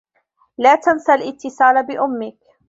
لا تنس الاتصال بأمّك.